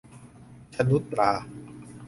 ชนุชตรา